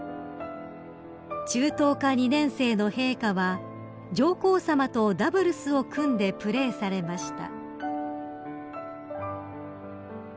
［中等科２年生の陛下は上皇さまとダブルスを組んでプレーされました］